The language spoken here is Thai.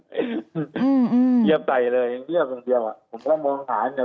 ผมก็มองด้านสารรายพี่ด้วยช่องข่าวนี่ละ